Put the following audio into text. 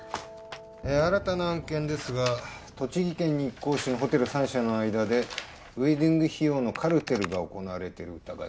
新たな案件ですが栃木県日光市のホテル３社の間でウエディング費用のカルテルが行われてる疑いがあります。